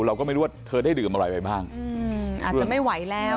เราก็ไม่รู้ว่าเธอได้ดื่มอะไรไปบ้างอาจจะไม่ไหวแล้ว